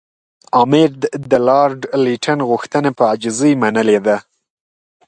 امیر د لارډ لیټن غوښتنه په عاجزۍ منلې ده.